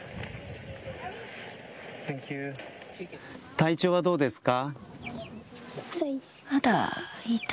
体調はどうですか。